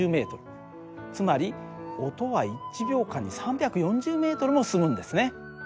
つまり音は１秒間に３４０ｍも進むんですね。